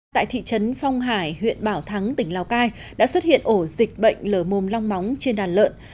tại thị trấn phong hải huyện bảo thắng tỉnh lào cai đã xuất hiện ổ dịch bệnh lở mồm long móng trên đàn lợn